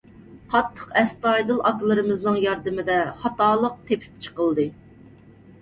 قاتتىق ئەستايىدىل ئاكىلىرىمىزنىڭ ياردىمىدە خاتالىق تېپىپ چىقىلدى.